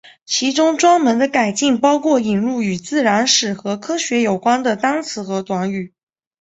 其中专门的改进包括引入与自然史和科学有关的单词和短语。